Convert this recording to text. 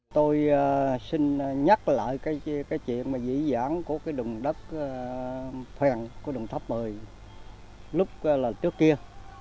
tôi xin nhắc lại cái chuyện mà dĩ dãn của cái đồng đất phèn của đồng tháp một mươi lúc trước kia